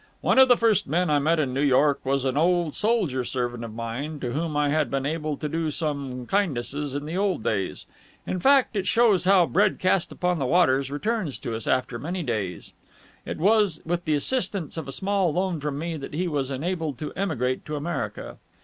One of the first men I met in New York was an old soldier servant of mine, to whom I had been able to do some kindnesses in the old days. In fact it shows how bread cast upon the waters returns to us after many days it was with the assistance of a small loan from me that he was enabled to emigrate to America.